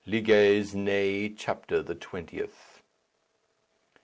Leges Inæ_, chapter the twentieth."